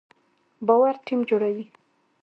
باور ټیم جوړوي